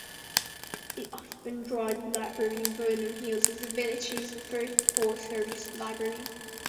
The Aspen Drive Library in Vernon Hills is the village's first full-service library.